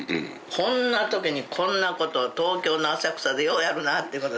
こんなときにこんなことを東京の浅草でようやるなってことで。